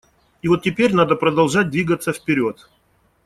И вот теперь надо продолжать двигаться вперед.